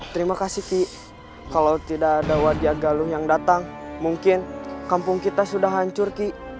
terima kasih ki kalau tidak ada wajah galung yang datang mungkin kampung kita sudah hancur ki